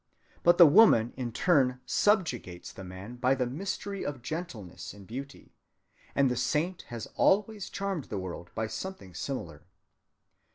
But the woman in turn subjugates the man by the mystery of gentleness in beauty, and the saint has always charmed the world by something similar.